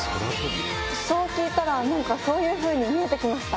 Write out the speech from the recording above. そう聞いたら何かそういうふうに見えて来ました。